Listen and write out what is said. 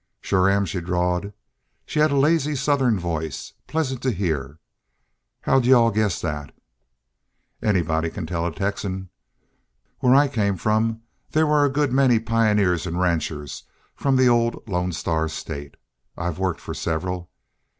"Shore am," she drawled. She had a lazy Southern voice, pleasant to hear. "How'd y'u all guess that?" "Anybody can tell a Texan. Where I came from there were a good many pioneers an' ranchers from the old Lone Star state. I've worked for several.